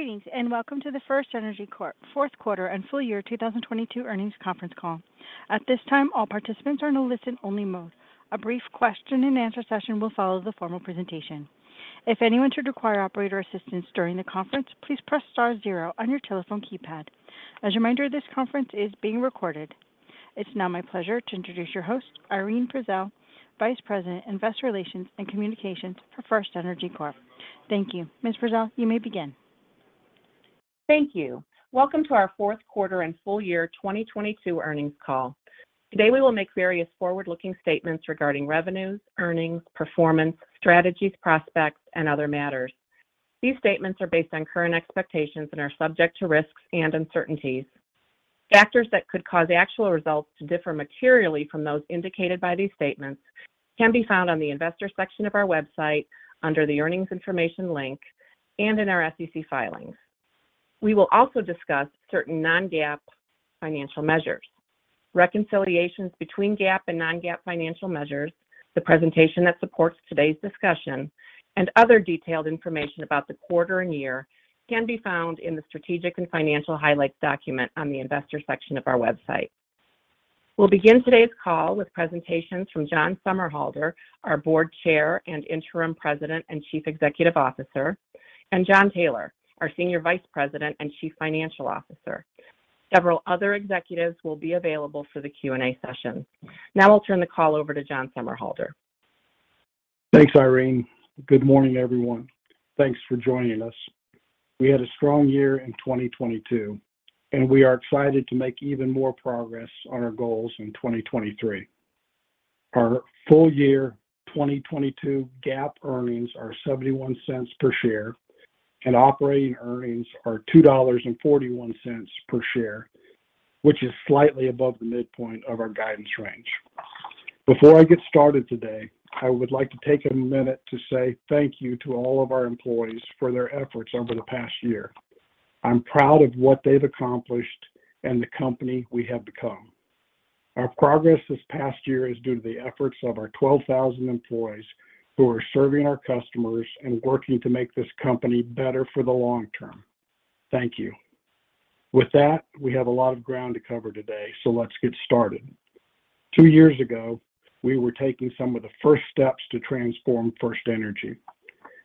Greetings, welcome to the FirstEnergy Corp Fourth Quarter and Full year 2022 Earnings Conference Call. At this time, all participants are in a listen only mode. A brief question-and-answer session will follow the formal presentation. If anyone should require operator assistance during the conference, please press star 0 on your telephone keypad. As a reminder, this conference is being recorded. It's now my pleasure to introduce your host, Irene Prezelj, Vice President, Investor Relations and Communications for FirstEnergy Corp. Thank you. Ms. Prezelj, you may begin. Thank you. Welcome to our Fourth Quarter and Full Year 2022 Earnings Call. Today, we will make various forward-looking statements regarding revenues, earnings, performance, strategies, prospects, and other matters. These statements are based on current expectations and are subject to risks and uncertainties. Factors that could cause actual results to differ materially from those indicated by these statements can be found on the investor section of our website under the Earnings Information link and in our SEC filings. We will also discuss certain non-GAAP financial measures. Reconciliations between GAAP and non-GAAP financial measures, the presentation that supports today's discussion, and other detailed information about the quarter and year can be found in the Strategic and Financial Highlights document on the investor section of our website. We'll begin today's call with presentations from John Somerhalder, our Board Chair and Interim President and Chief Executive Officer, and Jon Taylor, our Senior Vice President and Chief Financial Officer. Several other executives will be available for the Q&A session. Now I'll turn the call over to John Somerhalder. Thanks, Irene. Good morning, everyone. Thanks for joining us. We had a strong year in 2022. We are excited to make even more progress on our goals in 2023. Our full year 2022 GAAP earnings are $0.71 per share, and operating earnings are $2.41 per share, which is slightly above the midpoint of our guidance range. Before I get started today, I would like to take a minute to say thank you to all of our employees for their efforts over the past year. I'm proud of what they've accomplished and the company we have become. Our progress this past year is due to the efforts of our 12,000 employees who are serving our customers and working to make this company better for the long term. Thank you. With that, we have a lot of ground to cover today. Let's get started. Two years ago, we were taking some of the first steps to transform FirstEnergy.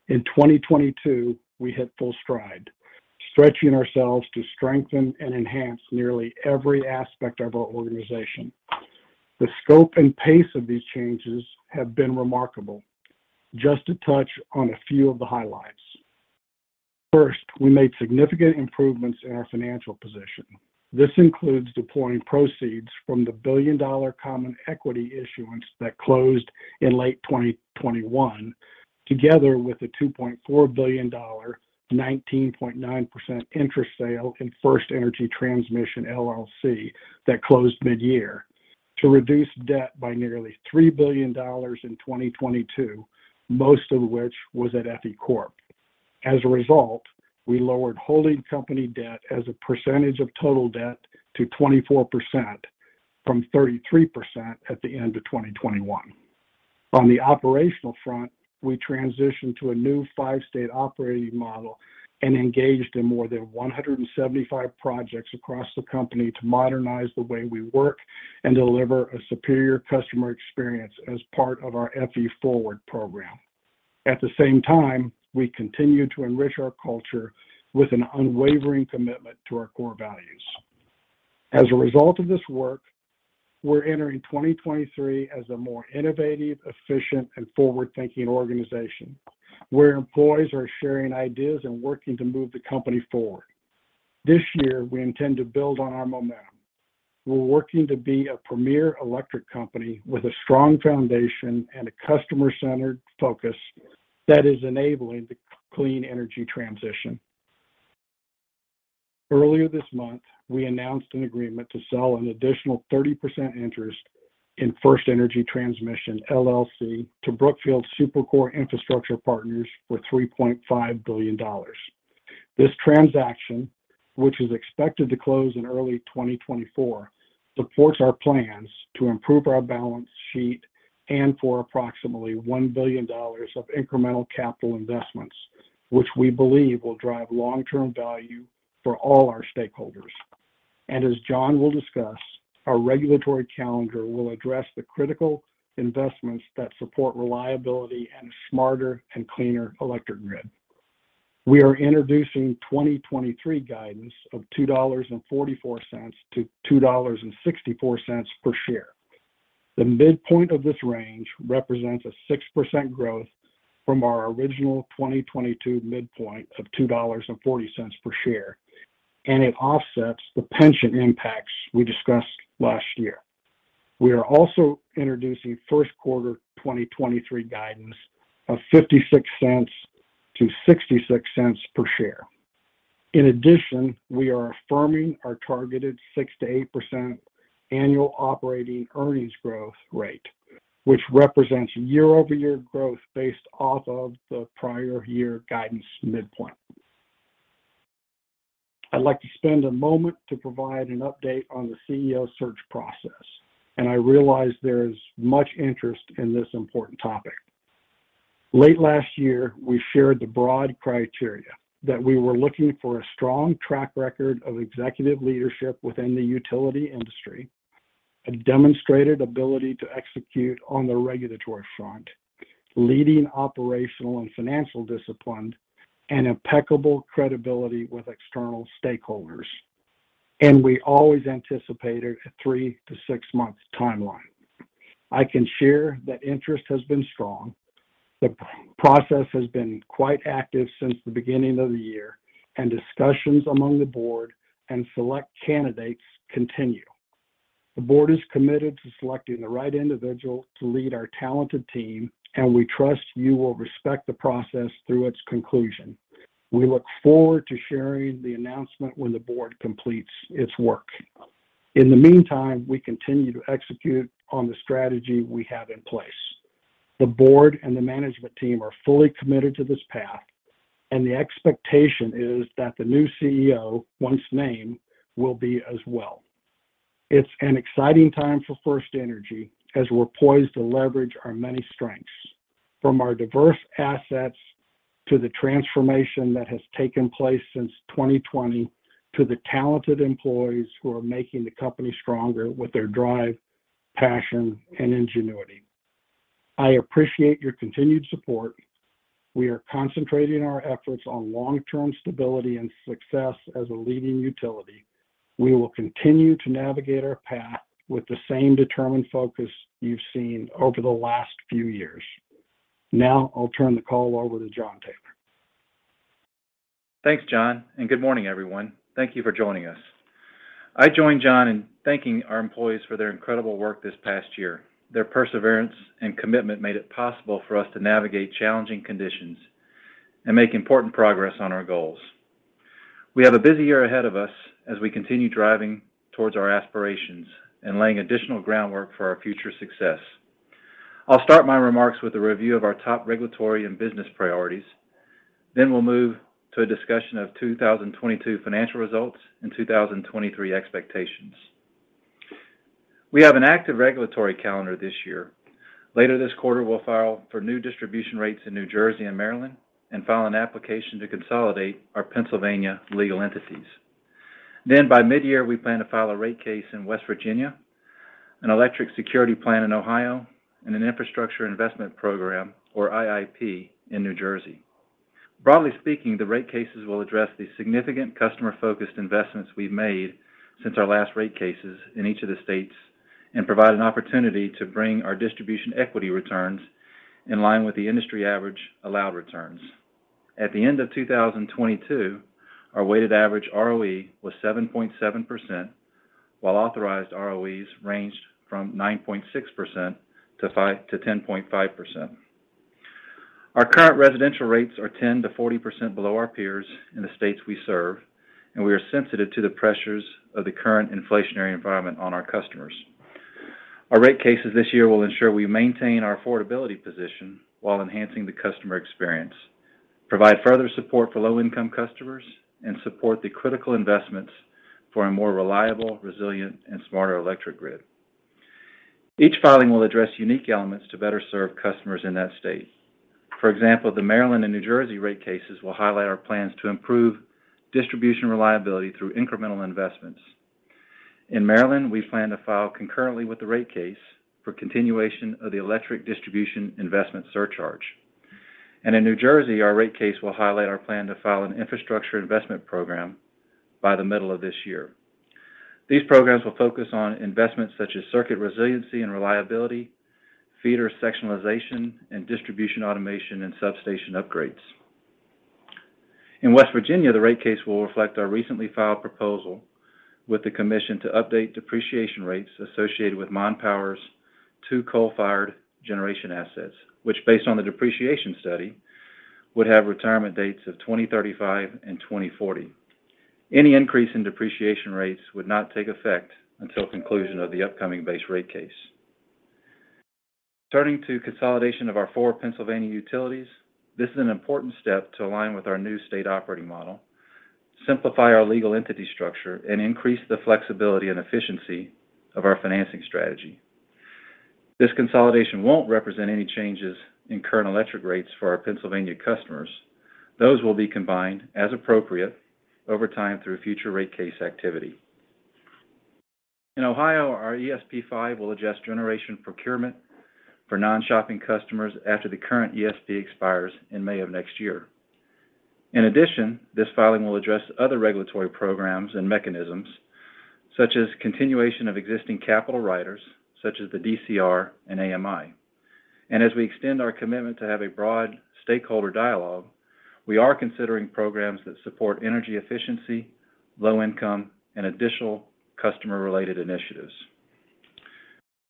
In 2022, we hit full stride, stretching ourselves to strengthen and enhance nearly every aspect of our organization. The scope and pace of these changes have been remarkable. Just to touch on a few of the highlights. First, we made significant improvements in our financial position. This includes deploying proceeds from the billion-dollar common equity issuance that closed in late 2021, together with a $2.4 billion, 19.9% interest sale in FirstEnergy Transmission, LLC that closed mid-year to reduce debt by nearly $3 billion in 2022, most of which was at FE Corp. As a result, we lowered holding company debt as a percentage of total debt to 24% from 33% at the end of 2021. On the operational front, we transitioned to a new five-state operating model and engaged in more than 175 projects across the company to modernize the way we work and deliver a superior customer experience as part of our FE Forward program. At the same time, we continue to enrich our culture with an unwavering commitment to our core values. As a result of this work, we're entering 2023 as a more innovative, efficient, and forward-thinking organization, where employees are sharing ideas and working to move the company forward. This year, we intend to build on our momentum. We're working to be a premier electric company with a strong foundation and a customer-centered focus that is enabling the clean energy transition. Earlier this month, we announced an agreement to sell an additional 30% interest in FirstEnergy Transmission, LLC to Brookfield Super-Core Infrastructure Partners for $3.5 billion. This transaction, which is expected to close in early 2024, supports our plans to improve our balance sheet and for approximately $1 billion of incremental capital investments, which we believe will drive long-term value for all our stakeholders. As Jon will discuss, our regulatory calendar will address the critical investments that support reliability and smarter and cleaner electric grid. We are introducing 2023 guidance of $2.44-$2.64 per share. The midpoint of this range represents a 6% growth from our original 2022 midpoint of $2.40 per share, and it offsets the pension impacts we discussed last year. We are also introducing first quarter 2023 guidance of $0.56-$0.66 per share. We are affirming our targeted 6%-8% annual operating earnings growth rate, which represents year-over-year growth based off of the prior year guidance midpoint. I'd like to spend a moment to provide an update on the CEO search process, and I realize there is much interest in this important topic. Late last year, we shared the broad criteria that we were looking for a strong track record of executive leadership within the utility industry, a demonstrated ability to execute on the regulatory front, leading operational and financial discipline, and impeccable credibility with external stakeholders. We always anticipated a 3–6-month timeline. I can share that interest has been strong. The process has been quite active since the beginning of the year, and discussions among the board and select candidates continue. The board is committed to selecting the right individual to lead our talented team, and we trust you will respect the process through its conclusion. We look forward to sharing the announcement when the board completes its work. In the meantime, we continue to execute on the strategy we have in place. The board and the management team are fully committed to this path, and the expectation is that the new CEO, once named, will be as well. It's an exciting time for FirstEnergy as we're poised to leverage our many strengths, from our diverse assets to the transformation that has taken place since 2020, to the talented employees who are making the company stronger with their drive, passion and ingenuity. I appreciate your continued support. We are concentrating our efforts on long-term stability and success as a leading utility. We will continue to navigate our path with the same determined focus you've seen over the last few years. I'll turn the call over to Jon Taylor. Thanks, John, good morning, everyone. Thank you for joining us. I join John in thanking our employees for their incredible work this past year. Their perseverance and commitment made it possible for us to navigate challenging conditions and make important progress on our goals. We have a busy year ahead of us as we continue driving towards our aspirations and laying additional groundwork for our future success. I'll start my remarks with a review of our top regulatory and business priorities. We'll move to a discussion of 2022 financial results and 2023 expectations. We have an active regulatory calendar this year. Later this quarter, we'll file for new distribution rates in New Jersey and Maryland and file an application to consolidate our Pennsylvania legal entities. By mid-year, we plan to file a rate case in West Virginia, an Electric Security Plan in Ohio, and an Infrastructure Investment Program or IIP in New Jersey. Broadly speaking, the rate cases will address the significant customer-focused investments we've made since our last rate cases in each of the states and provide an opportunity to bring our distribution equity returns in line with the industry average allowed returns. At the end of 2022, our weighted average ROE was 7.7%, while authorized ROEs ranged from 9.6% to 10.5%. Our current residential rates are 10%-40% below our peers in the states we serve, and we are sensitive to the pressures of the current inflationary environment on our customers. Our rate cases this year will ensure we maintain our affordability position while enhancing the customer experience, provide further support for low-income customers, and support the critical investments for a more reliable, resilient, and smarter electric grid. Each filing will address unique elements to better serve customers in that state. For example, the Maryland and New Jersey rate cases will highlight our plans to improve distribution reliability through incremental investments. In Maryland, we plan to file concurrently with the rate case for continuation of the Electric Distribution Investment Surcharge. In New Jersey, our rate case will highlight our plan to file an infrastructure investment program by the middle of this year. These programs will focus on investments such as circuit resiliency and reliability, feeder sectionalization, and distribution automation and substation upgrades. In West Virginia, the rate case will reflect our recently filed proposal with the commission to update depreciation rates associated with Mon Power's two coal-fired generation assets, which, based on the depreciation study, would have retirement dates of 2035 and 2040. Any increase in depreciation rates would not take effect until conclusion of the upcoming base rate case. Turning to consolidation of our four Pennsylvania utilities, this is an important step to align with our new state operating model, simplify our legal entity structure, and increase the flexibility and efficiency of our financing strategy. This consolidation won't represent any changes in current electric rates for our Pennsylvania customers. Those will be combined as appropriate over time through future rate case activity. In Ohio, our ESP5 will adjust generation procurement for non-shopping customers after the current ESP expires in May of next year. In addition, this filing will address other regulatory programs and mechanisms, such as continuation of existing capital riders, such as the DCR and AMI. As we extend our commitment to have a broad stakeholder dialogue, we are considering programs that support energy efficiency, low income, and additional customer-related initiatives.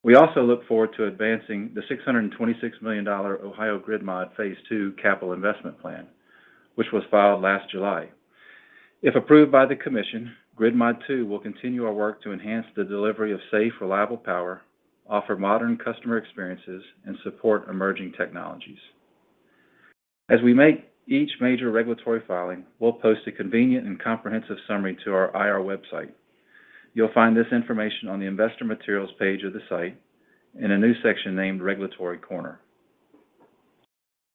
We also look forward to advancing the $626 million Ohio Grid Mod II capital investment plan, which was filed last July. If approved by the commission, Grid Mod II will continue our work to enhance the delivery of safe, reliable power, offer modern customer experiences, and support emerging technologies. As we make each major regulatory filing, we'll post a convenient and comprehensive summary to our IR website. You'll find this information on the Investor Materials page of the site in a new section named Regulatory Corner.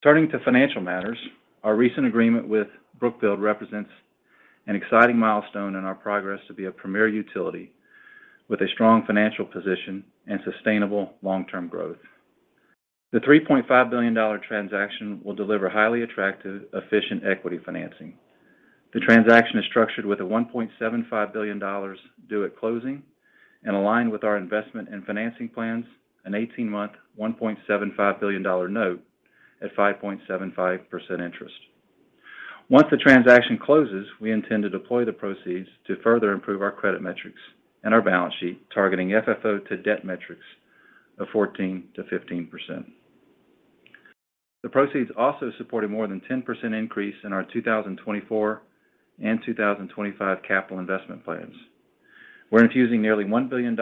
Turning to financial matters, our recent agreement with Brookfield represents an exciting milestone in our progress to be a premier utility with a strong financial position and sustainable long-term growth. The $3.5 billion transaction will deliver highly attractive, efficient equity financing. The transaction is structured with a $1.75 billion due at closing and aligned with our investment and financing plans, an 18-month, $1.75 billion note at 5.75% interest. Once the transaction closes, we intend to deploy the proceeds to further improve our credit metrics and our balance sheet, targeting FFO to debt metrics of 14%-15%. The proceeds also supported more than 10% increase in our 2024 and 2025 capital investment plans. We're infusing nearly $1 billion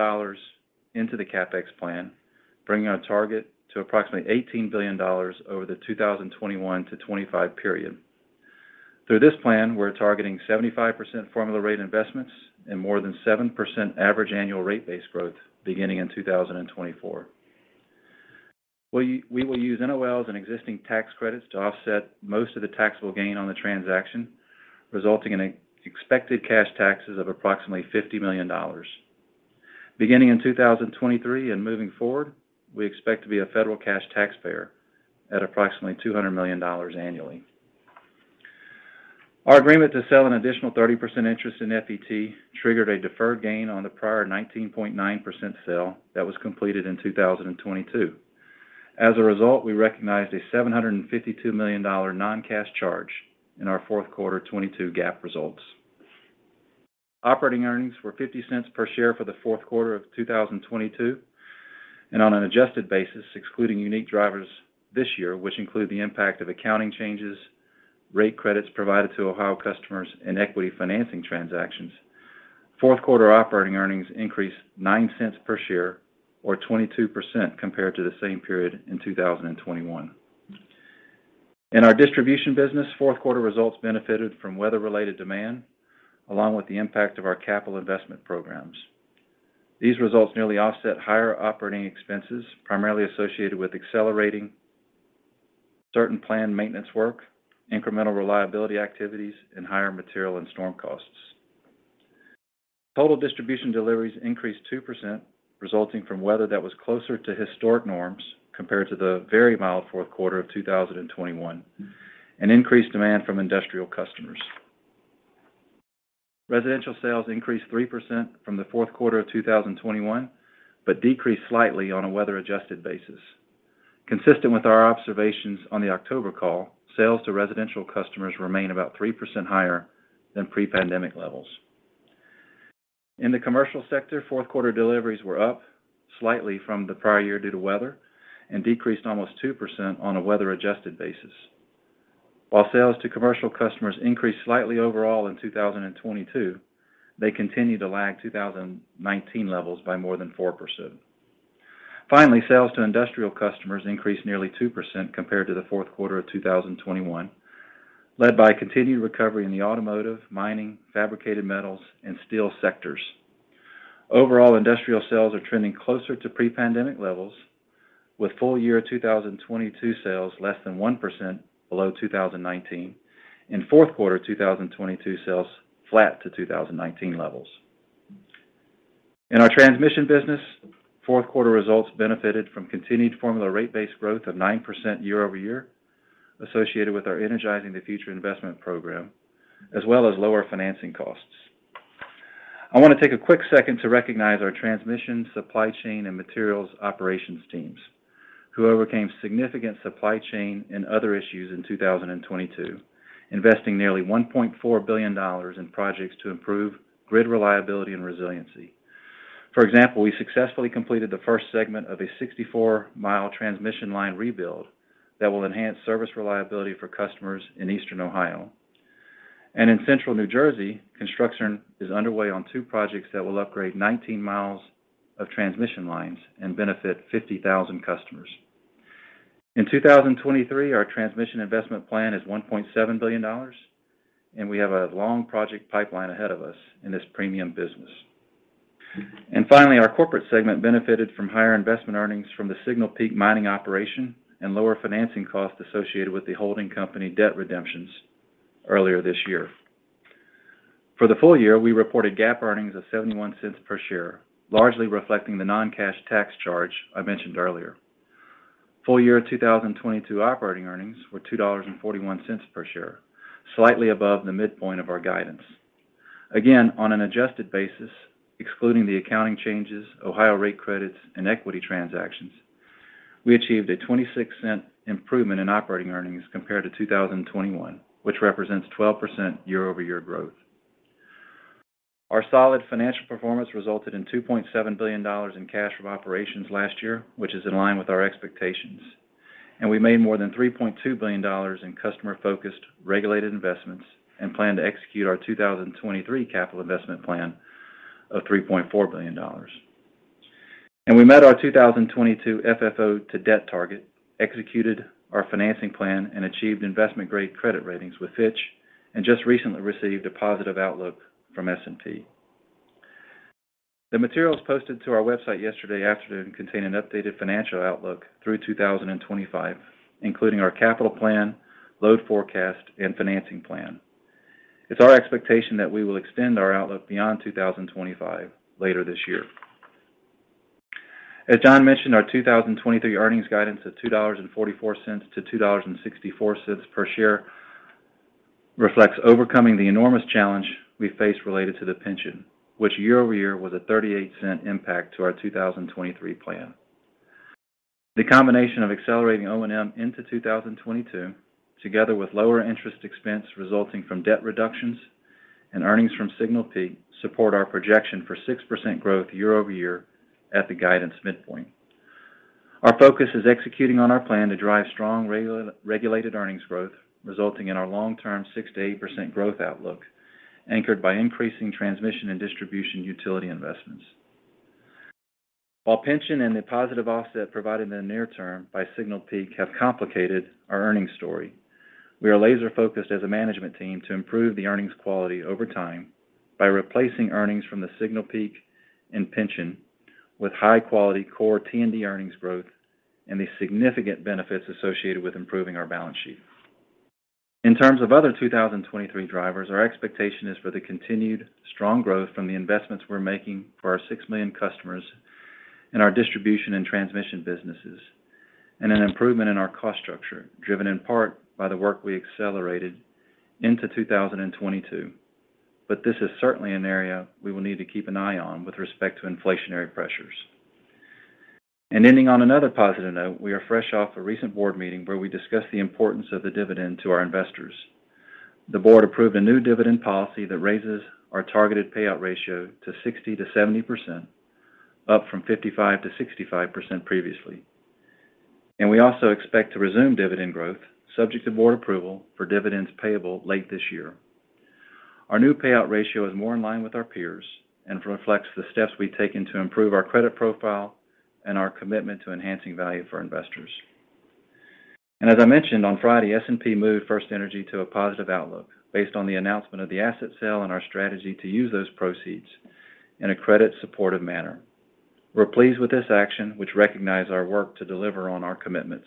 into the CapEx plan, bringing our target to approximately $18 billion over the 2021-2025 period. Through this plan, we're targeting 75% formula rate investments and more than 7% average annual rate base growth beginning in 2024. We will use NOLs and existing tax credits to offset most of the taxable gain on the transaction, resulting in expected cash taxes of approximately $50 million. Beginning in 2023 and moving forward, we expect to be a federal cash taxpayer at approximately $200 million annually. Our agreement to sell an additional 30% interest in FET triggered a deferred gain on the prior 19.9% sale that was completed in 2022. We recognized a $752 million non-cash charge in our fourth quarter 2022 GAAP results. Operating earnings were $0.50 per share for the fourth quarter of 2022. On an adjusted basis, excluding unique drivers this year, which include the impact of accounting changes, rate credits provided to Ohio customers, and equity financing transactions, fourth quarter operating earnings increased $0.09 per share or 22% compared to the same period in 2021. In our distribution business, fourth quarter results benefited from weather-related demand, along with the impact of our capital investment programs. These results nearly offset higher operating expenses, primarily associated with accelerating certain planned maintenance work, incremental reliability activities, and higher material and storm costs. Total distribution deliveries increased 2% resulting from weather that was closer to historic norms compared to the very mild fourth quarter of 2021 and increased demand from industrial customers. Residential sales increased 3% from the fourth quarter of 2021, but decreased slightly on a weather-adjusted basis. Consistent with our observations on the October call, sales to residential customers remain about 3% higher than pre-pandemic levels. In the commercial sector, fourth quarter deliveries were up slightly from the prior year due to weather and decreased almost 2% on a weather-adjusted basis. While sales to commercial customers increased slightly overall in 2022, they continue to lag 2019 levels by more than 4%. Sales to industrial customers increased nearly 2% compared to the fourth quarter of 2021, led by continued recovery in the automotive, mining, fabricated metals, and steel sectors. Industrial sales are trending closer to pre-pandemic levels with full year 2022 sales less than 1% below 2019 and fourth quarter 2022 sales flat to 2019 levels. In our transmission business, fourth quarter results benefited from continued formula rate base growth of 9% year-over-year associated with our Energizing the Future investment program, as well as lower financing costs. I wanna take a quick second to recognize our transmission, supply chain, and materials operations teams who overcame significant supply chain and other issues in 2022, investing nearly $1.4 billion in projects to improve grid reliability and resiliency. For example, we successfully completed the first segment of a 64-mile transmission line rebuild that will enhance service reliability for customers in Eastern Ohio. In Central New Jersey, construction is underway on two projects that will upgrade 19 miles of transmission lines and benefit 50,000 customers. In 2023, our transmission investment plan is $1.7 billion. We have a long project pipeline ahead of us in this premium business. Finally, our corporate segment benefited from higher investment earnings from the Signal Peak mining operation and lower financing costs associated with the holding company debt redemptions earlier this year. For the full year, we reported GAAP earnings of $0.71 per share, largely reflecting the non-cash tax charge I mentioned earlier. Full year 2022 operating earnings were $2.41 per share, slightly above the midpoint of our guidance. On an adjusted basis, excluding the accounting changes, Ohio rate credits, and equity transactions, we achieved a $0.26 improvement in operating earnings compared to 2021, which represents 12% year-over-year growth. Our solid financial performance resulted in $2.7 billion in cash from operations last year, which is in line with our expectations. We made more than $3.2 billion in customer-focused regulated investments and plan to execute our 2023 capital investment plan of $3.4 billion. We met our 2022 FFO to debt target, executed our financing plan, and achieved investment-grade credit ratings with Fitch, and just recently received a positive outlook from S&P. The materials posted to our website yesterday afternoon contain an updated financial outlook through 2025, including our capital plan, load forecast, and financing plan. It's our expectation that we will extend our outlook beyond 2025 later this year. As John mentioned, our 2023 earnings guidance of $2.44 to $2.64 per share reflects overcoming the enormous challenge we face related to the pension, which year-over-year was a $0.38 impact to our 2023 plan. The combination of accelerating O&M into 2022, together with lower interest expense resulting from debt reductions and earnings from Signal Peak, support our projection for 6% growth year-over-year at the guidance midpoint. Our focus is executing on our plan to drive strong regulated earnings growth, resulting in our long-term 6%-8% growth outlook, anchored by increasing transmission and distribution utility investments. While pension and the positive offset provided in the near term by Signal Peak have complicated our earnings story, we are laser-focused as a management team to improve the earnings quality over time by replacing earnings from the Signal Peak and pension with high-quality core T&D earnings growth and the significant benefits associated with improving our balance sheet. In terms of other 2023 drivers, our expectation is for the continued strong growth from the investments we're making for our 6 million customers in our distribution and transmission businesses, and an improvement in our cost structure, driven in part by the work we accelerated into 2022. This is certainly an area we will need to keep an eye on with respect to inflationary pressures. Ending on another positive note, we are fresh off a recent board meeting where we discussed the importance of the dividend to our investors. The board approved a new dividend policy that raises our targeted payout ratio to 60%-70%, up from 55%-65% previously. We also expect to resume dividend growth, subject to board approval, for dividends payable late this year. Our new payout ratio is more in line with our peers and reflects the steps we've taken to improve our credit profile and our commitment to enhancing value for investors. As I mentioned, on Friday, S&P moved FirstEnergy to a positive outlook based on the announcement of the asset sale and our strategy to use those proceeds in a credit-supportive manner. We're pleased with this action, which recognize our work to deliver on our commitments.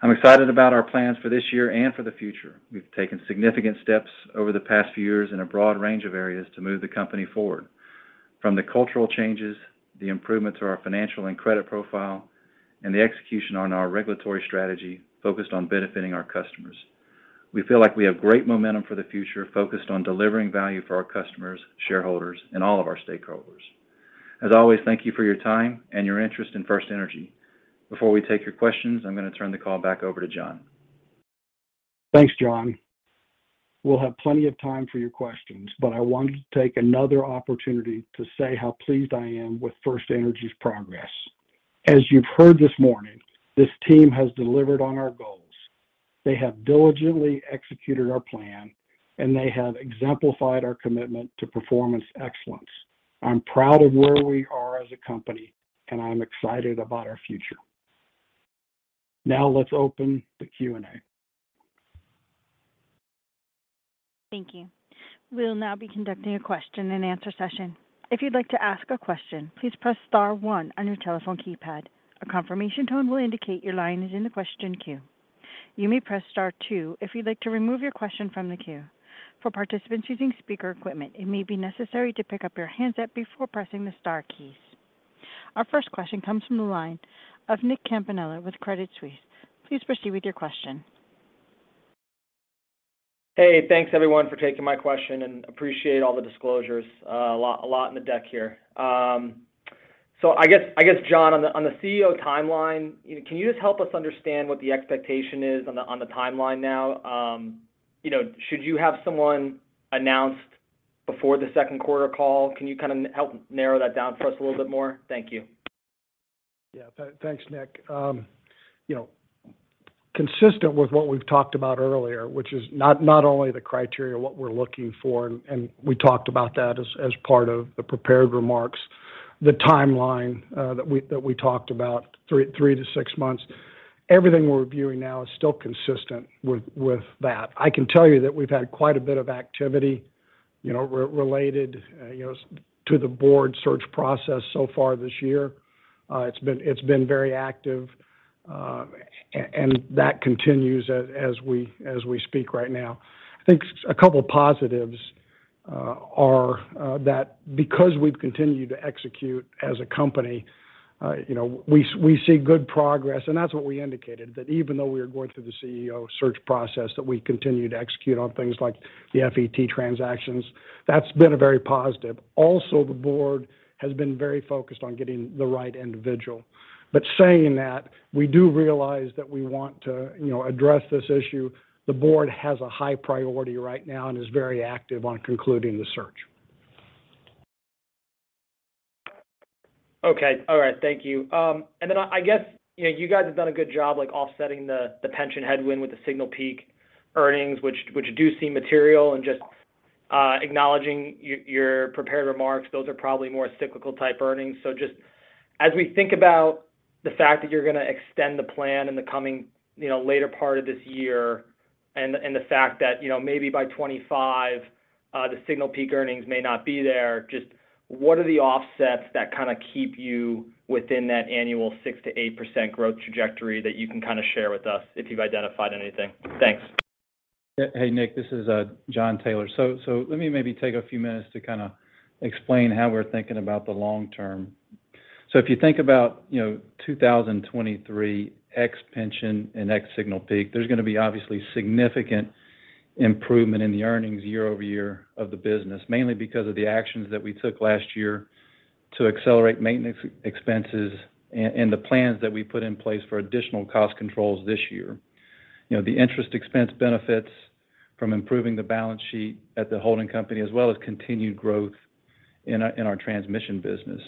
I'm excited about our plans for this year and for the future. We've taken significant steps over the past few years in a broad range of areas to move the company forward, from the cultural changes, the improvements to our financial and credit profile, and the execution on our regulatory strategy focused on benefiting our customers. We feel like we have great momentum for the future, focused on delivering value for our customers, shareholders, and all of our stakeholders. As always, thank you for your time and your interest in FirstEnergy. Before we take your questions, I'm gonna turn the call back over to John. Thanks, Jon. We'll have plenty of time for your questions. I wanted to take another opportunity to say how pleased I am with FirstEnergy's progress. As you've heard this morning, this team has delivered on our goals. They have diligently executed our plan. They have exemplified our commitment to performance excellence. I'm proud of where we are as a company. I'm excited about our future. Now let's open the Q&A. Thank you. We'll now be conducting a question-and-answer session. If you'd like to ask a question, please press star 1 on your telephone keypad. A confirmation tone will indicate your line is in the question queue. You may press star 2 if you'd like to remove your question from the queue. For participants using speaker equipment, it may be necessary to pick up your handset before pressing the star keys. Our first question comes from the line of Nick Campanella with Credit Suisse. Please proceed with your question. Hey, thanks everyone for taking my question and appreciate all the disclosures. A lot in the deck here. I guess, John, on the CEO timeline, you know, can you just help us understand what the expectation is on the timeline now? You know, should you have someone announced before the second quarter call? Can you kind of help narrow that down for us a little bit more? Thank you. Yeah, thanks, Nick. you know, consistent with what we've talked about earlier, which is not only the criteria, what we're looking for, and we talked about that as part of the prepared remarks. The timeline that we talked about, 3 to 6 months, everything we're reviewing now is still consistent with that. I can tell you that we've had quite a bit of activity, you know, related, you know, to the board search process so far this year. It's been very active, and that continues as we speak right now. I think a couple of positives are that because we've continued to execute as a company, you know, we see good progress, and that's what we indicated, that even though we are going through the CEO search process, that we continue to execute on things like the FET transactions. That's been a very positive. Also, the board has been very focused on getting the right individual. Saying that, we do realize that we want to, you know, address this issue. The board has a high priority right now and is very active on concluding the search. Okay. All right. Thank you. I guess, you know, you guys have done a good job, like, offsetting the pension headwind with the Signal Peak earnings, which do seem material and just... Acknowledging your prepared remarks, those are probably more cyclical type earnings. Just as we think about the fact that you're going to extend the plan in the coming, you know, later part of this year and the fact that, you know, maybe by 25, the Signal Peak earnings may not be there, just what are the offsets that kind of keep you within that annual 6%-8% growth trajectory that you can kind of share with us if you've identified anything? Thanks. Hey, Nick, this is Jon Taylor. Let me maybe take a few minutes to kind of explain how we're thinking about the long term. If you think about, you know, 2023 ex pension and ex Signal Peak, there's going to be obviously significant improvement in the earnings year-over-year of the business, mainly because of the actions that we took last year to accelerate maintenance expenses and the plans that we put in place for additional cost controls this year. You know, the interest expense benefits from improving the balance sheet at the holding company, as well as continued growth in our transmission business.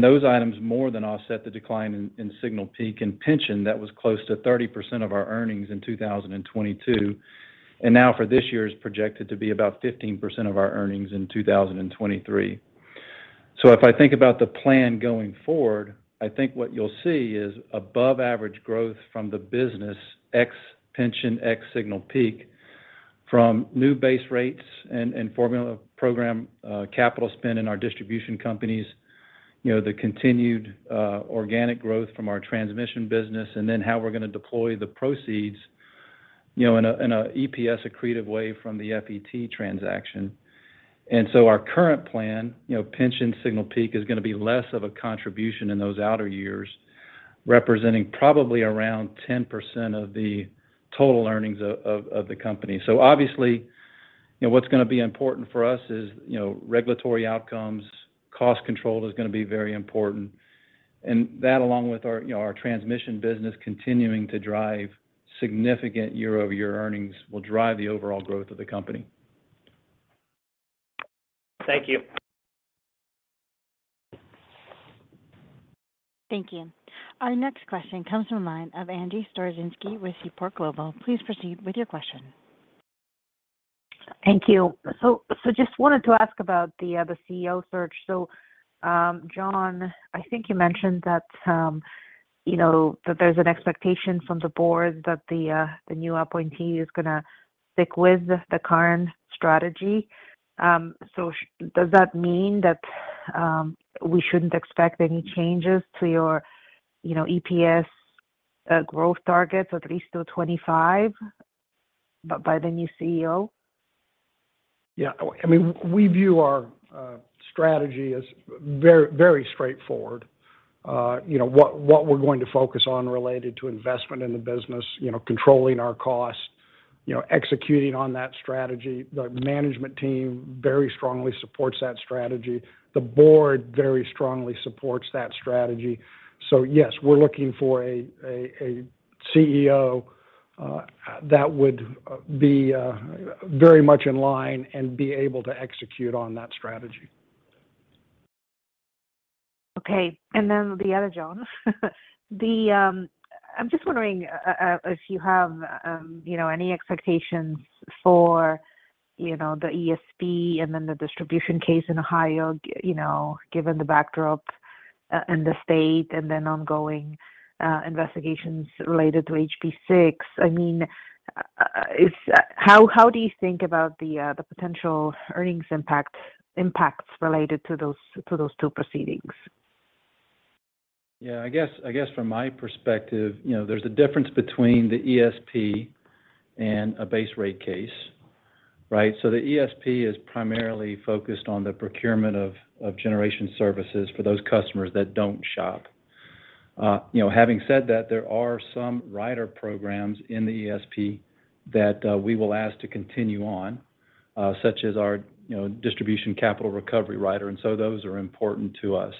Those items more than offset the decline in Signal Peak and pension that was close to 30% of our earnings in 2022, and now for this year is projected to be about 15% of our earnings in 2023. If I think about the plan going forward, I think what you'll see is above average growth from the business ex pension, ex Signal Peak from new base rates and formula program capital spend in our distribution companies, you know, the continued organic growth from our transmission business, and then how we're going to deploy the proceeds, you know, in an EPS accretive way from the FET transaction. Our current plan, you know, pension Signal Peak is going to be less of a contribution in those outer years, representing probably around 10% of the total earnings of the company. Obviously, you know, what's going to be important for us is, you know, regulatory outcomes. Cost control is going to be very important. That along with our, you know, our transmission business continuing to drive significant year-over-year earnings will drive the overall growth of the company. Thank you. Thank you. Our next question comes from the line of Angie Storozynski with Seaport Global. Please proceed with your question. Thank you. Just wanted to ask about the CEO search. John, I think you mentioned that, you know, that there's an expectation from the board that the new appointee is gonna stick with the current strategy. Does that mean that we shouldn't expect any changes to your, you know, EPS growth targets at least till 25 by the new CEO? Yeah. I mean, we view our strategy as very, very straightforward. You know, what we're going to focus on related to investment in the business, you know, controlling our costs, you know, executing on that strategy. The management team very strongly supports that strategy. The board very strongly supports that strategy. Yes, we're looking for a CEO that would be very much in line and be able to execute on that strategy. Okay. Then the other Jon, the, I'm just wondering if you have, you know, any expectations for, you know, the ESP and then the distribution case in Ohio, you know, given the backdrop in the state and then ongoing investigations related to HB 6. I mean, How do you think about the potential earnings impacts related to those two proceedings? Yeah, I guess from my perspective, you know, there's a difference between the ESP and a base rate case, right? The ESP is primarily focused on the procurement of generation services for those customers that don't shop. You know, having said that, there are some rider programs in the ESP that we will ask to continue on, such as our, you know, Delivery Capital Recovery Rider. Those are important to us.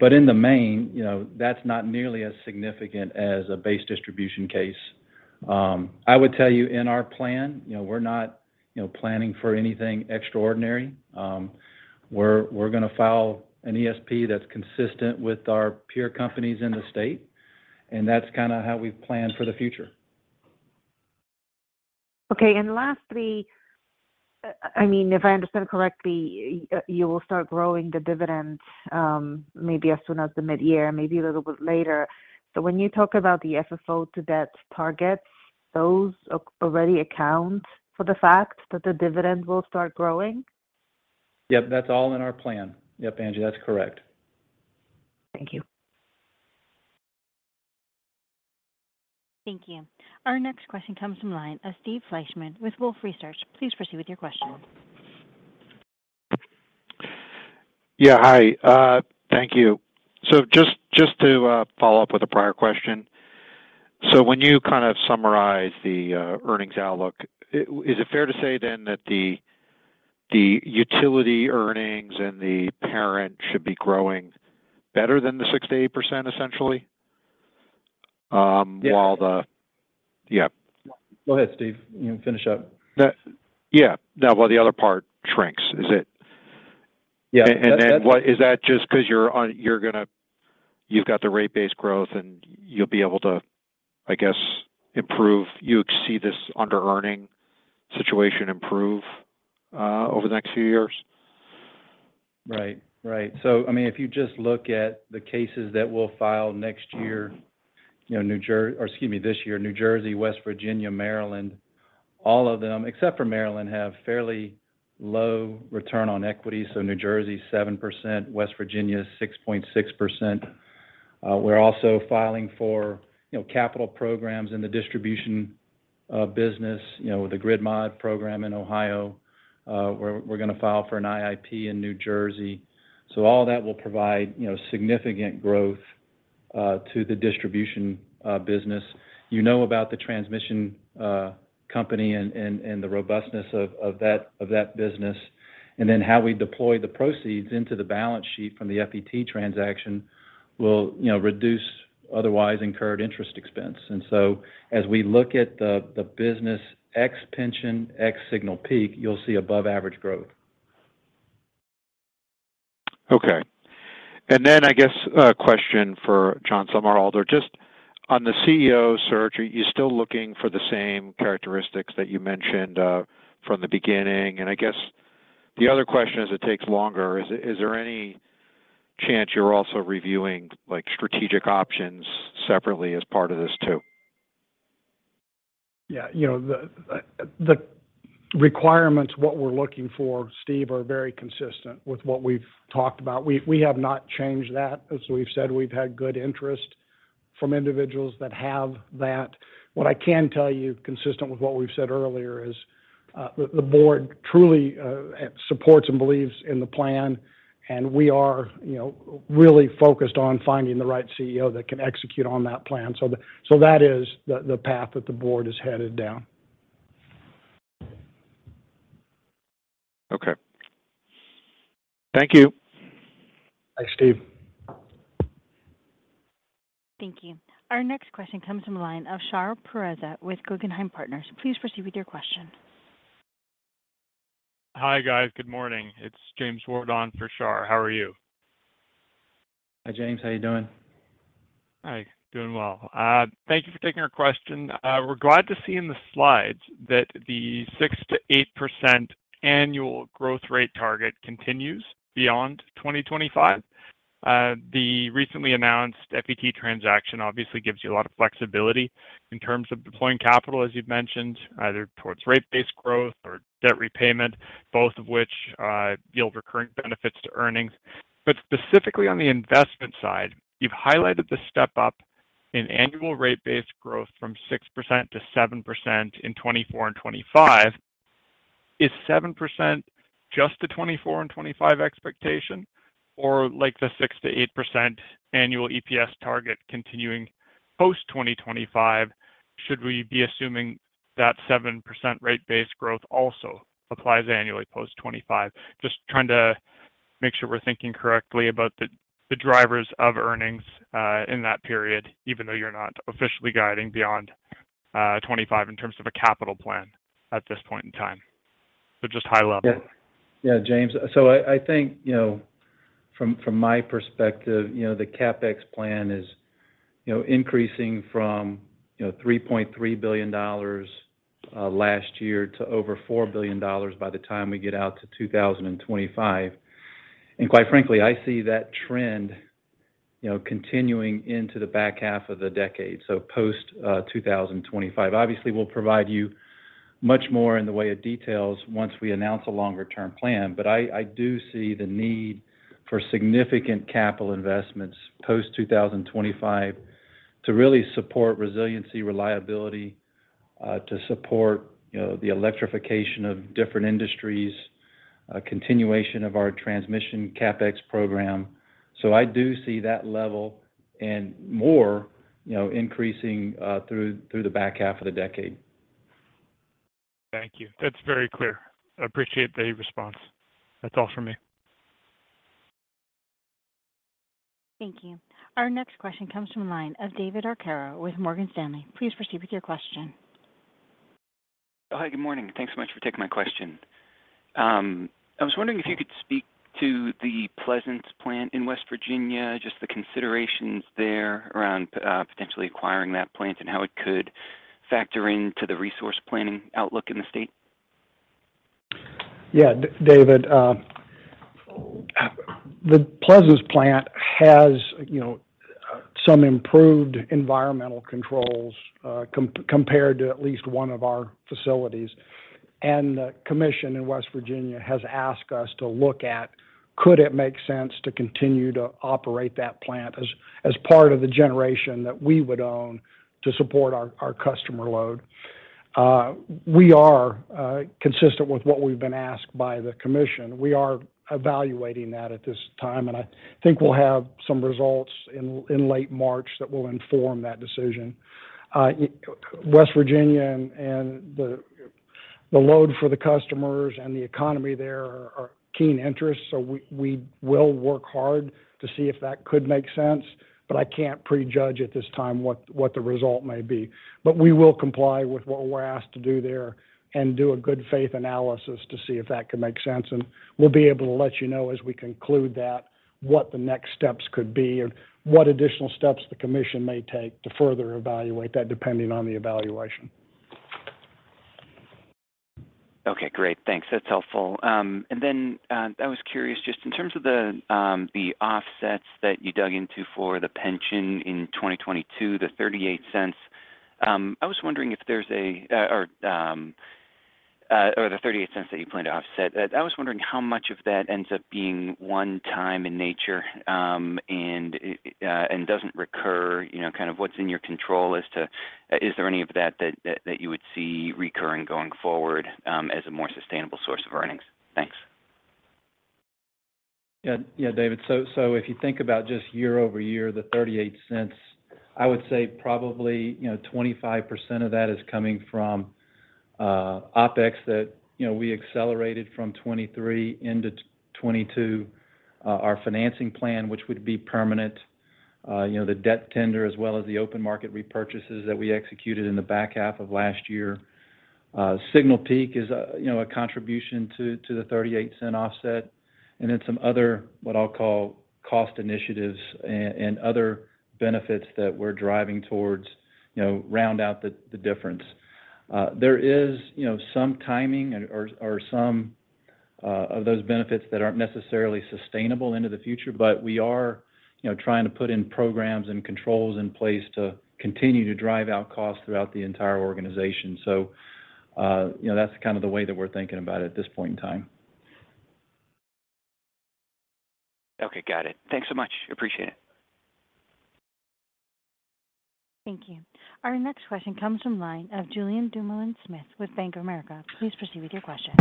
In the main, you know, that's not nearly as significant as a base distribution case. I would tell you in our plan, you know, we're not, you know, planning for anything extraordinary. We're gonna file an ESP that's consistent with our peer companies in the state, that's kinda how we plan for the future. Okay. Lastly, I mean, if I understand correctly, you will start growing the dividend, maybe as soon as the mid-year, maybe a little bit later. When you talk about the FFO to debt targets, those already account for the fact that the dividend will start growing? Yep, that's all in our plan. Yep, Angie, that's correct. Thank you. Thank you. Our next question comes from line of Steve Fleishman with Wolfe Research. Please proceed with your question. Yeah. Hi. Thank you. Just to follow up with a prior question. When you kind of summarize the earnings outlook, is it fair to say then that the utility earnings and the parent should be growing better than the 6%-8%, essentially? Yeah. While the... Yeah. Go ahead, Steve. You can finish up. Yeah. No, while the other part shrinks, is it? Yeah. Is that just 'cause you've got the rate base growth, and you'll be able to, I guess, improve, you see this underearning situation improve over the next few years? Right. Right. I mean, if you just look at the cases that we'll file next year, you know, this year, New Jersey, West Virginia, Maryland, all of them except for Maryland, have fairly low return on equity. New Jersey, 7%, West Virginia, 6.6%. We're also filing for, you know, capital programs in the distribution business, you know, with the Grid Mod program in Ohio, we're gonna file for an IIP in New Jersey. All that will provide, you know, significant growth to the distribution business. You know about the transmission company and the robustness of that business. How we deploy the proceeds into the balance sheet from the FET transaction will, you know, reduce otherwise incurred interest expense. As we look at the business ex-pension, ex-Signal Peak, you'll see above average growth. I guess a question for John Somerhalder. Just on the CEO search, are you still looking for the same characteristics that you mentioned from the beginning? I guess the other question, as it takes longer, is there any chance you're also reviewing, like, strategic options separately as part of this too? Yeah. You know, the requirements, what we're looking for, Steve, are very consistent with what we've talked about. We have not changed that. As we've said, we've had good interest from individuals that have that. What I can tell you, consistent with what we've said earlier, is, the board truly supports and believes in the plan, and we are, you know, really focused on finding the right CEO that can execute on that plan. That is the path that the board is headed down. Okay. Thank you. Thanks, Steve. Thank you. Our next question comes from a line of Shar Pourreza with Guggenheim Securities. Please proceed with your question. Hi, guys. Good morning. It's James Ward on for Shar. How are you? Hi, James. How you doing? Hi. Doing well. Thank you for taking our question. We're glad to see in the slides that the 6%-8% annual growth rate target continues beyond 2025. The recently announced FET transaction obviously gives you a lot of flexibility in terms of deploying capital, as you've mentioned, either towards rate-based growth or debt repayment, both of which yield recurring benefits to earnings. Specifically on the investment side, you've highlighted the step-up in annual rate-based growth from 6% to 7% in 2024 and 2025. Is 7% just the 2024 and 2025 expectation or like the 6%-8% annual EPS target continuing post-2025? Should we be assuming that 7% rate-based growth also applies annually post 2025? Just trying to make sure we're thinking correctly about the drivers of earnings, in that period, even though you're not officially guiding beyond, 25 in terms of a capital plan at this point in time. Just high level. James. I think, you know, from my perspective, you know, the CapEx plan is, you know, increasing from, you know, $3.3 billion last year to over $4 billion by the time we get out to 2025. Quite frankly, I see that trend, you know, continuing into the back half of the decade, so post 2025. Obviously, we'll provide you much more in the way of details once we announce a longer-term plan. I do see the need for significant capital investments post 2025 to really support resiliency, reliability, to support, you know, the electrification of different industries, a continuation of our transmission CapEx program. I do see that level and more, you know, increasing through the back half of the decade. Thank you. That's very clear. I appreciate the response. That's all for me. Thank you. Our next question comes from a line of David Arcaro with Morgan Stanley. Please proceed with your question. Hi. Good morning. Thanks so much for taking my question. I was wondering if you could speak to the Pleasants plant in West Virginia, just the considerations there around potentially acquiring that plant and how it could factor into the resource planning outlook in the state. David, the Pleasants plant has, you know, some improved environmental controls compared to at least one of our facilities. The commission in West Virginia has asked us to look at could it make sense to continue to operate that plant as part of the generation that we would own to support our customer load. We are consistent with what we've been asked by the commission. We are evaluating that at this time, and I think we'll have some results in late March that will inform that decision. West Virginia and the load for the customers and the economy there are keen interests, so we will work hard to see if that could make sense. I can't prejudge at this time what the result may be. We will comply with what we're asked to do there and do a good faith analysis to see if that can make sense. We'll be able to let you know as we conclude that what the next steps could be or what additional steps the commission may take to further evaluate that depending on the evaluation. Okay, great. Thanks. That's helpful. Then, I was curious, just in terms of the offsets that you dug into for the pension in 2022, the $0.38, I was wondering or the $0.38 that you planned to offset, I was wondering how much of that ends up being one-time in nature, doesn't recur? You know, kind of what's in your control as to, is there any of that that you would see recurring going forward, as a more sustainable source of earnings? Thanks. Yeah. Yeah, David. If you think about just year-over-year, the $0.38, I would say probably, you know, 25% of that is coming from OpEx that, you know, we accelerated from 2023 into 2022. Our financing plan, which would be permanent, you know, the debt tender as well as the open market repurchases that we executed in the back half of last year. Signal Peak is, you know, a contribution to the $0.38 offset. Then some other, what I'll call cost initiatives aaand other benefits that we're driving towards, you know, round out the difference. There is, you know, some timing or some of those benefits that aren't necessarily sustainable into the future. We are, you know, trying to put in programs and controls in place to continue to drive out costs throughout the entire organization. You know, that's kind of the way that we're thinking about it at this point in time. Okay. Got it. Thanks so much. Appreciate it. Thank you. Our next question comes from line of Julien Dumoulin-Smith with Bank of America. Please proceed with your question.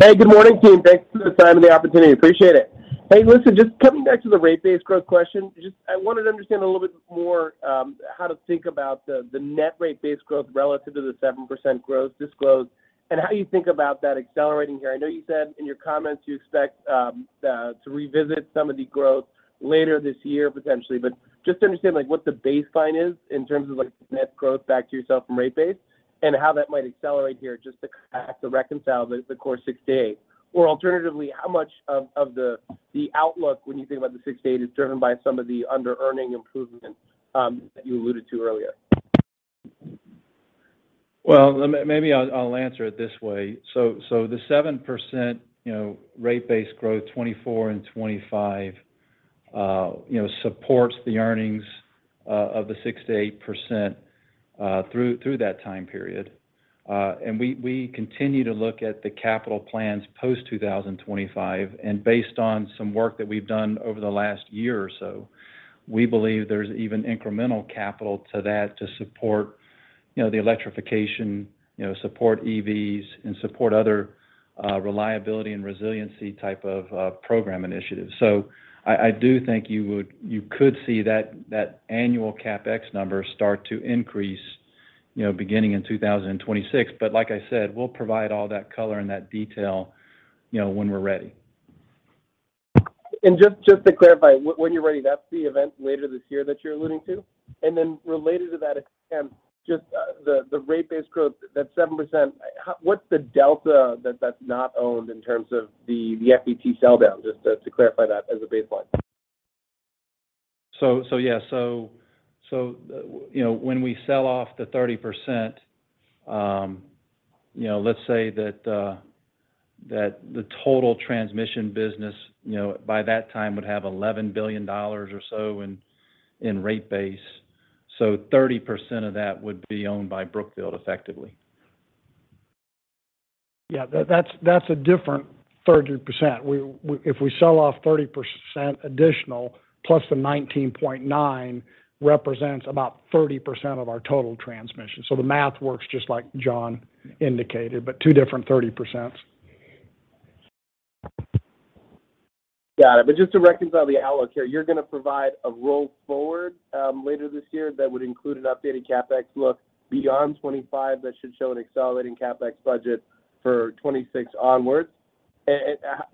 Hey, good morning, team. Thanks for the time and the opportunity. Appreciate it. Hey, listen, just coming back to the rate base growth question, just I wanted to understand a little bit more, how to think about the net rate base growth relative to the 7% growth disclosed, and how you think about that accelerating here. I know you said in your comments you expect to revisit some of the growth later this year, potentially. Just to understand, like, what the baseline is in terms of, like, net growth back to yourself from rate base and how that might accelerate here just to kind of have to reconcile the 6%-8%. Alternatively, how much of the outlook when you think about the 6 to 8 is driven by some of the underearning improvements that you alluded to earlier? Well, maybe I'll answer it this way. The 7%, you know, rate base growth, 2024 and 2025, you know, supports the earnings of the 6%-8% through that time period. We continue to look at the capital plans post 2025, and based on some work that we've done over the last year or so, we believe there's even incremental capital to that to support, you know, the electrification, you know, support EVs and support other reliability and resiliency type of program initiatives. I do think you could see that annual CapEx number start to increase, you know, beginning in 2026. Like I said, we'll provide all that color and that detail, you know, when we're ready. Just to clarify, when you're ready, that's the event later this year that you're alluding to? Related to that, again, just the rate base growth, that 7%, what's the delta that's not owned in terms of the FET sell down? Just to clarify that as a baseline. Yeah. You know, when we sell off the 30%, you know, let's say that the total transmission business, you know, by that time would have $11 billion or so in rate base. 30% of that would be owned by Brookfield effectively. Yeah, that's a different 30%. We if we sell off 30% additional plus the 19.9 represents about 30% of our total transmission. The math works just like Jon indicated, but two different 30%s. Got it. Just to reconcile the outlook here, you're gonna provide a roll forward later this year that would include an updated CapEx look beyond 25 that should show an accelerating CapEx budget for 26 onwards?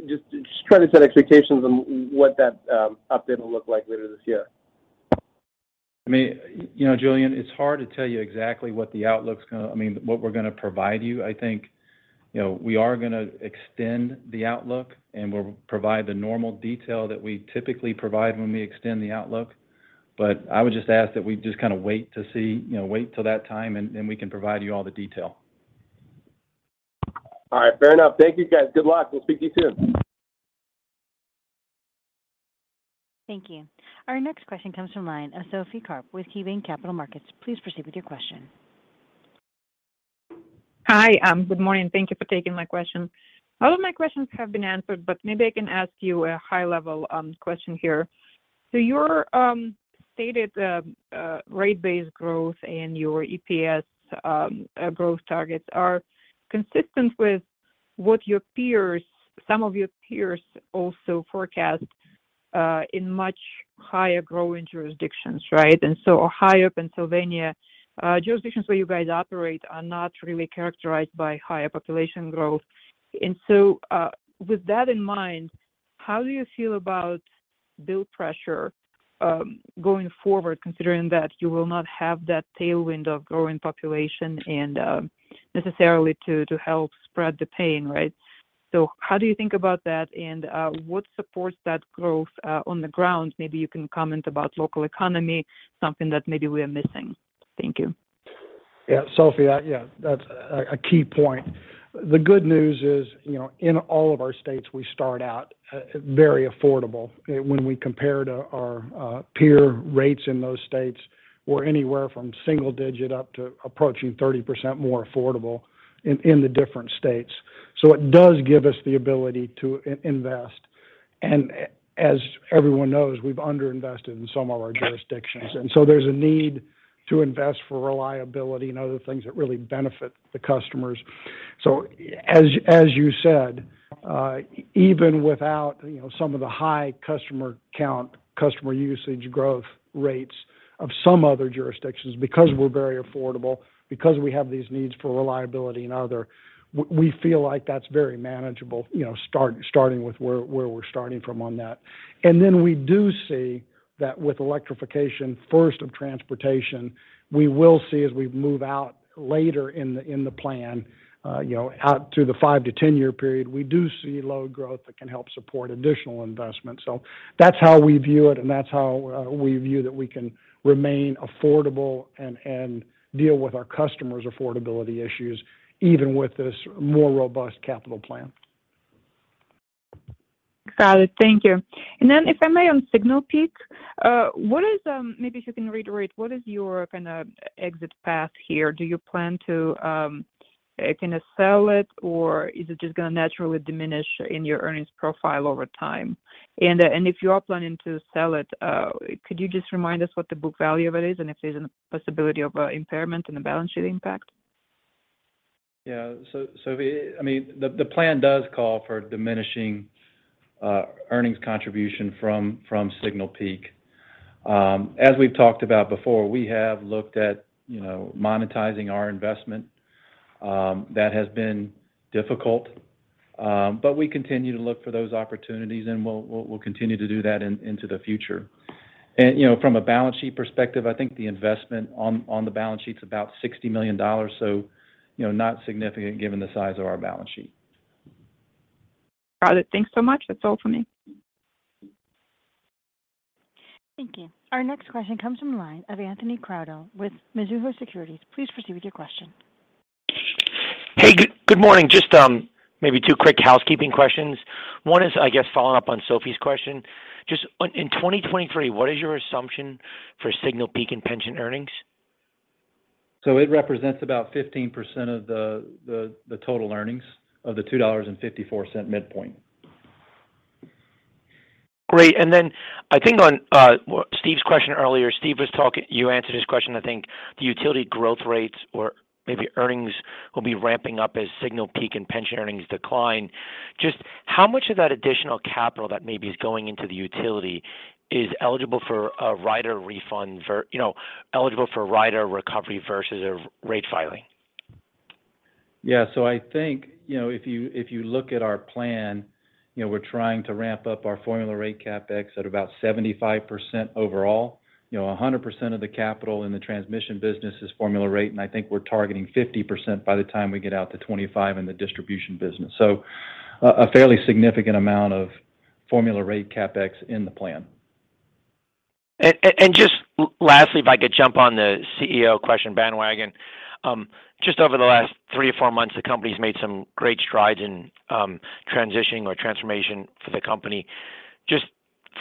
Just trying to set expectations on what that update will look like later this year. I mean, you know, Julien, it's hard to tell you exactly what the outlook's I mean, what we're gonna provide you. I think, you know, we are gonna extend the outlook, and we'll provide the normal detail that we typically provide when we extend the outlook. I would just ask that we just kind of wait to see, you know, wait till that time, and we can provide you all the detail. All right. Fair enough. Thank you, guys. Good luck. We'll speak to you soon. Thank you. Our next question comes from line of Sophie Karp with KeyBanc Capital Markets. Please proceed with your question. Hi. Good morning. Thank you for taking my question. A lot of my questions have been answered, but maybe I can ask you a high-level question here. Your stated rate-based growth and your EPS growth targets are consistent with what your peers, some of your peers also forecast in much higher growing jurisdictions, right? Ohio, Pennsylvania jurisdictions where you guys operate are not really characterized by higher population growth. With that in mind, how do you feel about bill pressure going forward, considering that you will not have that tailwind of growing population and necessarily to help spread the pain, right? How do you think about that and what supports that growth on the ground? Maybe you can comment about local economy, something that maybe we are missing. Thank you. Sophie, that's a key point. The good news is, you know, in all of our states, we start out very affordable. When we compare to our peer rates in those states or anywhere from single digit up to approaching 30% more affordable in the different states. It does give us the ability to invest. As everyone knows, we've under-invested in some of our jurisdictions. There's a need to invest for reliability and other things that really benefit the customers. As you said, even without, you know, some of the high customer count, customer usage growth rates of some other jurisdictions, because we're very affordable, because we have these needs for reliability and other, we feel like that's very manageable, you know, starting with where we're starting from on that. We do see that with electrification, first of transportation, we will see as we move out later in the plan, you know, out through the 5-10-year period, we do see load growth that can help support additional investment. That's how we view it, and that's how we view that we can remain affordable and deal with our customers' affordability issues, even with this more robust capital plan. Got it. Thank you. If I may, on Signal Peak, maybe if you can reiterate, what is your kinda exit path here? Do you plan to, kinda sell it or is it just gonna naturally diminish in your earnings profile over time? If you are planning to sell it, could you just remind us what the book value of it is and if there's a possibility of impairment in the balance sheet impact? Sophie, I mean, the plan does call for diminishing earnings contribution from Signal Peak. As we've talked about before, we have looked at, you know, monetizing our investment. That has been difficult, but we continue to look for those opportunities, and we'll continue to do that into the future. You know, from a balance sheet perspective, I think the investment on the balance sheet's about $60 million, so, you know, not significant given the size of our balance sheet. Got it. Thanks so much. That's all for me. Thank you. Our next question comes from the line of Anthony Crowdell with Mizuho Securities. Please proceed with your question. Good morning. Maybe two quick housekeeping questions. One is, I guess, following up on Sophie's question. In 2023, what is your assumption for Signal Peak and pension earnings? It represents about 15% of the total earnings of the $2.54 midpoint. Great. I think on Steve's question earlier, You answered his question, I think, the utility growth rates or maybe earnings will be ramping up as Signal Peak and pension earnings decline. Just how much of that additional capital that maybe is going into the utility is eligible for a rider refund you know, eligible for rider recovery versus a rate filing? I think, you know, if you look at our plan, you know, we're trying to ramp up our formula rate CapEx at about 75% overall. You know, 100% of the capital in the transmission business is formula rate, and I think we're targeting 50% by the time we get out to 2025 in the distribution business. A fairly significant amount of formula rate CapEx in the plan. Just lastly, if I could jump on the CEO question bandwagon. Just over the last three or four months, the company's made some great strides in transitioning or transformation for the company. Just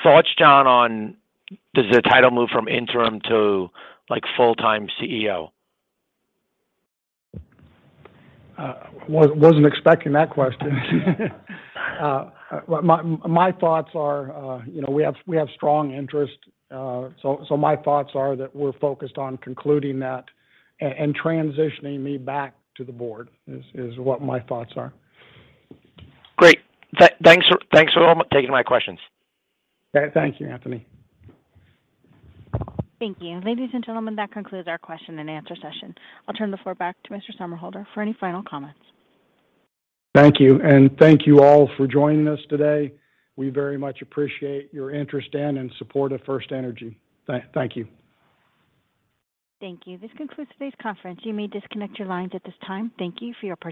thoughts, John, on does the title move from interim to, like, full-time CEO? Wasn't expecting that question. My thoughts are, you know, we have strong interest. My thoughts are that we're focused on concluding that and transitioning me back to the board is what my thoughts are. Great. Thanks for taking my questions. Thank you, Anthony. Thank you. Ladies and gentlemen, that concludes our question-and-answer session. I'll turn the floor back to Mr. Somerhalder for any final comments. Thank you. Thank you all for joining us today. We very much appreciate your interest in and support of FirstEnergy. Thank you. Thank you. This concludes today's conference. You may disconnect your lines at this time. Thank you for your participation.